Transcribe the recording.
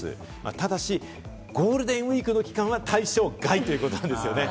ただしゴールデンウイークの期間は対象外ということなんですよね。